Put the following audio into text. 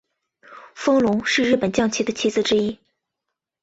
风龙是日本将棋的棋子之一。